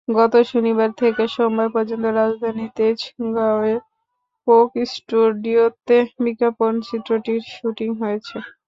গত শনিবার থেকে সোমবার পর্যন্ত রাজধানীর তেজগাঁওয়ে কোক স্টুডিওতে বিজ্ঞাপনচিত্রটির শুটিং হয়েছে।